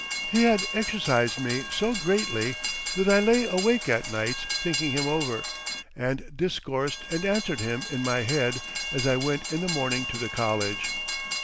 He had exercised me so greatly that I lay awake at nights thinking him over, and discoursed and answered him in my head as I went in the morning to the College.